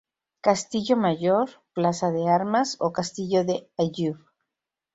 Castillo Mayor, plaza de armas o castillo de Ayyub